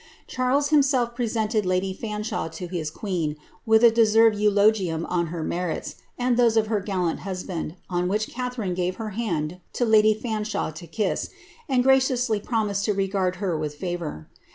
Charles himself pre led lady Fanshawe to his queen, with a deserved eulogium on her its, and those of her gallant husband, on which Catharine gave her d to lady Fanshawe to kiss, and graciously promised to regard het h bvoor.